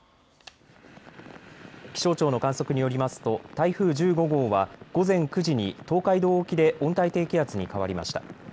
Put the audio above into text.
気象庁の観測によりますと台風１５号は午前９時に東海道沖で温帯低気圧に変わりました。